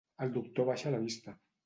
El doctor abaixa la vista.